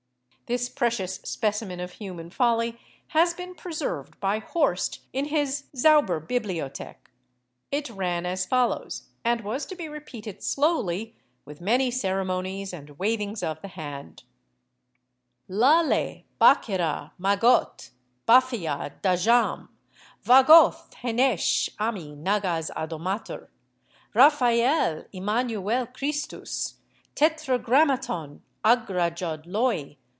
This precious specimen of human folly has been preserved by Horst in his Zauberbibliothek. It ran as follows, and was to be repeated slowly, with many ceremonies and wavings of the hand: "Lalle, Bachera, Magotte, Baphia, Dajam, Vagoth Heneche Ammi Nagaz, Adomator Raphael Immanuel Christus, Tetragrammaton Agra Jod Loi.